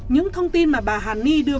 những thông tin mà bà hàn ni đưa